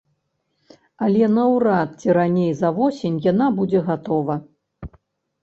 Але наўрад ці раней за восень яна будзе гатова.